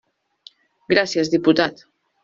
Gràcies, diputat.